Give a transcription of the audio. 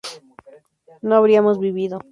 no habríamos vivido